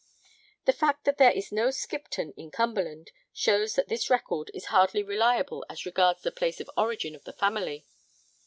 The fact that there is no Skipton in Cumberland shows that this record is hardly reliable as regards the place of origin of the family.